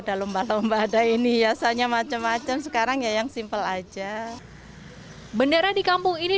ada lomba lomba ada ini hiasannya macam macam sekarang ya yang simpel aja bendera di kampung ini